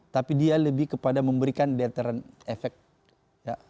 tapi dia lebih kepada memberikan deteren efek